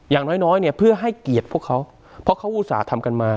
อย่างน้อยน้อยเนี่ยเพื่อให้เกียรติพวกเขาเพราะเขาอุตส่าห์ทำกันมา